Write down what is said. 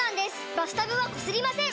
バスタブはこすりません！